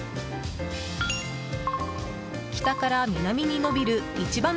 北から南に延びる一番